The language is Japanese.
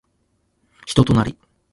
人となり